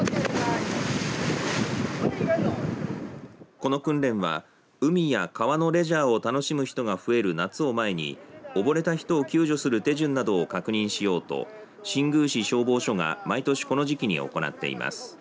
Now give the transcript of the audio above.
この訓練は海や川のレジャーを楽しむ人が増える夏を前に溺れた人を救助する手順などを確認しようと新宮市消防署が毎年この時期に行っています。